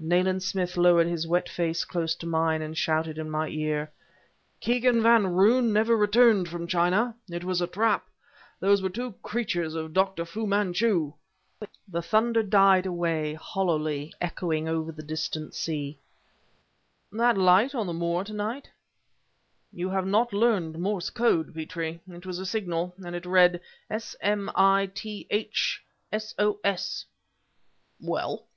Nayland Smith lowered his wet face close to mine and shouted in my ear: "Kegan Van Roon never returned from China. It was a trap. Those were two creatures of Dr. Fu Manchu..." The thunder died away, hollowly, echoing over the distant sea... "That light on the moor to night?" "You have not learned the Morse Code, Petrie. It was a signal, and it read: S M I T H... SOS." "Well?"